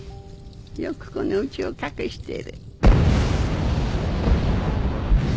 よくこの家を隠してる。